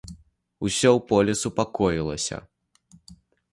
Усё ў полі супакоілася.